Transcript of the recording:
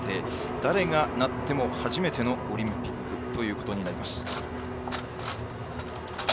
誰がいっても初めてのオリンピックということになります。